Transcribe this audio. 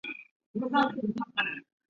山东武定府海丰县人。